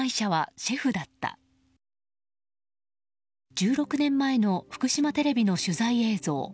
１６年前の福島テレビの取材映像。